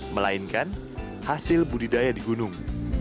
melainkan hasil budidaya di gunung